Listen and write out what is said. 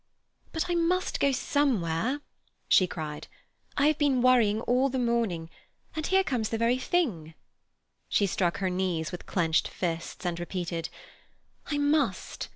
"But I must go somewhere!" she cried. "I have been worrying all the morning, and here comes the very thing." She struck her knees with clenched fists, and repeated: "I must!